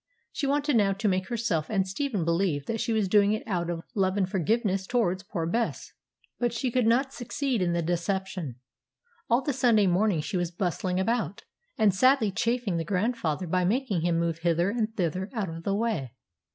She wanted now to make herself and Stephen believe that she was doing it out of love and forgiveness towards poor Bess; but she could not succeed in the deception. All the Sunday morning she was bustling about, and sadly chafing the grandfather by making him move hither and thither out of the way.